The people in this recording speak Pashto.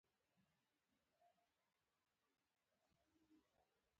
د افغانستان د اقتصادي پرمختګ لپاره پکار ده چې صادق اوسو.